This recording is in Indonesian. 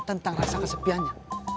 tentang rasa kesepiannya